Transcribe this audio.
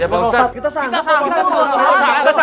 ya allah tenang aja